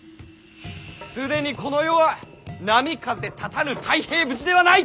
既にこの世は波風立たぬ泰平無事ではない！